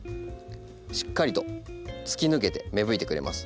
しっかりと突き抜けて芽吹いてくれます。